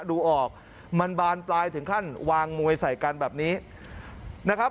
ดูออกมันบานปลายถึงขั้นวางมวยใส่กันแบบนี้นะครับ